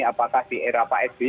apakah di era pak sby